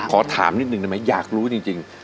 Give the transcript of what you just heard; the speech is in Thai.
ขอถามนิดนึงได้ไหมอยากรู้จริง